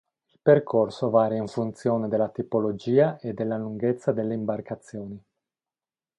Il percorso varia in funzione della tipologia e della lunghezza delle imbarcazioni.